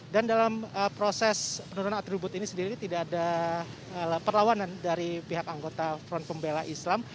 dan dalam proses penurunan atribut ini sendiri tidak ada perlawanan dari pihak anggota front pembela islam